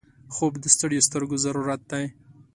خوب د ستړیو سترګو ضرورت دی